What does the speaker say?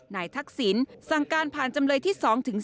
ทักษิณสั่งการผ่านจำเลยที่๒๓